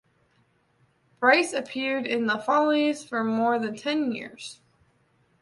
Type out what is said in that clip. Brice appeared in the Follies for more than ten years.